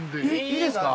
いいですか？